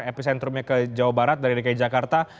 epicentrumnya ke jawa barat dari dki jakarta